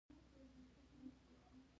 دیني نثر د نثر يو ډول دﺉ.